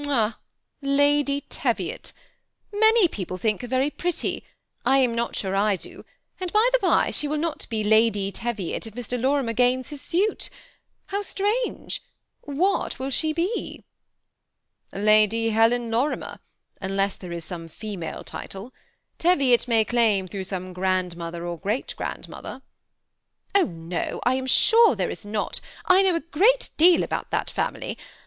'*Ah, Lady Teviot! Many people think her very pretty ; I am not sure I do, and, by the by, she will not be Lady Teviot if Mr. Lorimer gains his suit How strange ! What will she be ?"" Lady Helen Lorimer, unless there is some female title : Teviot may claim through some grandmother or great grandmother." '^ Oh no, I am sure there is not ; I know a great deal about that family.